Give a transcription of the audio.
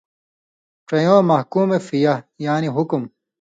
ڇَیؤں 'محکُوم فیہ' یعنی حُکُم